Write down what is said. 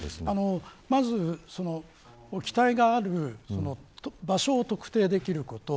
まず、機体がある場所を特定できること。